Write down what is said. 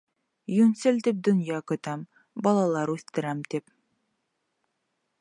— Йүнсел тип, донъя көтәм, балалар үҫтерәм тип.